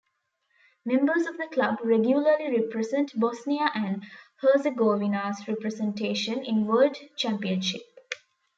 Members of the club regularly represent Bosnia and Herzegovina's representation in world championships.